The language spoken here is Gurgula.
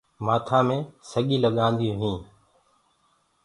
مآٿآ مي سڳيٚ لگانديونٚ هينٚ